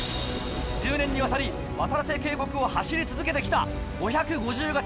１０年にわたりわたらせ渓谷を走り続けて来た５５０形